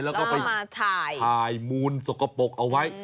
แล้วก็ไปถ่ายมูลสกปรกเอาไว้